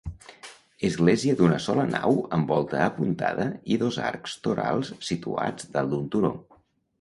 Església d'una sola nau amb volta apuntada i dos arcs torals situada dalt d'un turó.